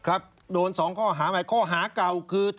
ครับโดน๒ข้อหาหมายความข้อหาเก่าคือ